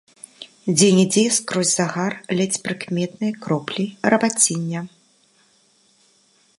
Дзе-нідзе, скрозь загар, ледзь прыкметныя кроплі рабаціння.